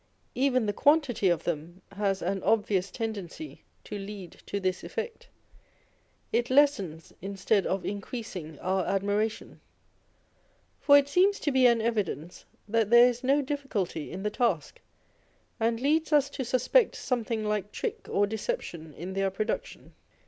Even the quantity of them has an obvious tendency to lead to this effect. It lessens, instead of increasing our admiration : for it seems to be an evidence that there is no difficulty in the task, and leads us to suspect something like trick or deception in their production.